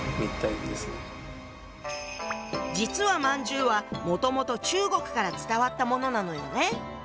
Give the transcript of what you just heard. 実は饅頭はもともと中国から伝わったものなのよね。